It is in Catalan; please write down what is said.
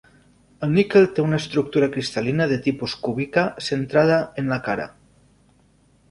El níquel té una estructura cristal·lina de tipus cúbica centrada en la cara.